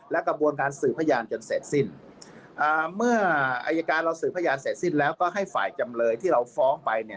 และกระบวนการสืบพยานจนเสร็จสิ้นอ่าเมื่ออายการเราสื่อพยานเสร็จสิ้นแล้วก็ให้ฝ่ายจำเลยที่เราฟ้องไปเนี่ย